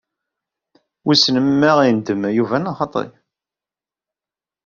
Wissen ma inuddem Yuba neɣ ala.